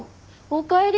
おかえり。